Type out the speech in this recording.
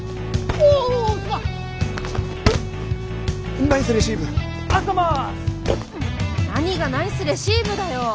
もう何がナイスレシーブだよ。